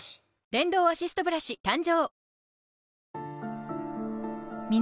電動アシストブラシ誕生！